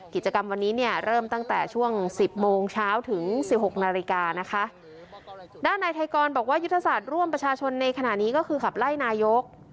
กิจกรรมวันนี้เนี่ยเริ่มตั้งแต่ช่วงสิบโมงเช้าถึงสิบหกนาฬิกานะคะด้านในไทยกรบอกว่ายุทธศาสตร์ร่วมประชาชนในขณะนี้ก็คือขับไล่นายก